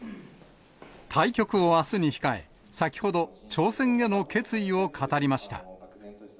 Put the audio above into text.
対局をあすに控え、先ほど、挑戦への決意を語りました。